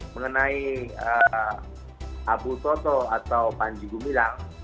mengenai abu toto atau panji gumilang